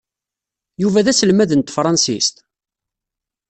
Yuba d aselmad n tefṛansit?